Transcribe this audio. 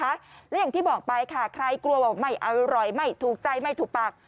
และอย่างที่บอกไปค่ะใครกลัวว่าไม่อร่อยไม่ถูกใจไม่ถูกปาก